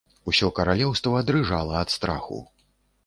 Усё каралеўства дрыжала ад страху.